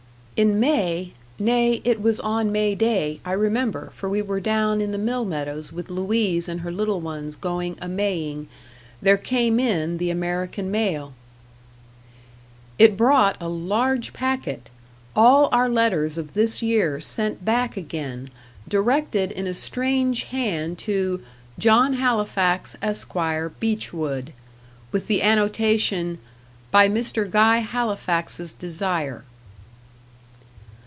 In May nay, it was on May day, I remember, for we were down in the mill meadows with Louise and her little ones going a maying there came in the American mail. It brought a large packet all our letters of this year sent back again, directed in a strange hand, to "John Halifax, Esquire, Beechwood," with the annotation, "By Mr. Guy Halifax's desire."